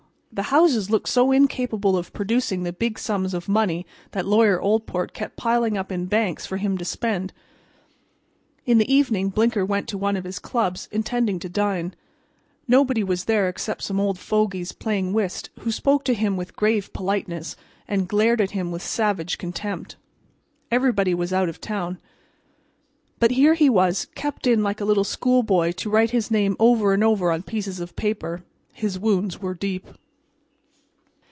The houses looked so incapable of producing the big sums of money that Lawyer Oldport kept piling up in banks for him to spend. In the evening Blinker went to one of his clubs, intending to dine. Nobody was there except some old fogies playing whist who spoke to him with grave politeness and glared at him with savage contempt. Everybody was out of town. But here he was kept in like a schoolboy to write his name over and over on pieces of paper. His wounds were deep.